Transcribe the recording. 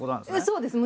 そうです。